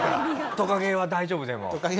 トカゲは大丈夫ですね。